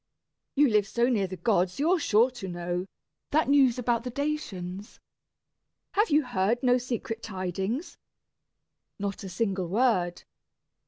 You live so near the gods, you're sure to know: That news about the Dacians? have you heard No secret tidings?" "Not a single word."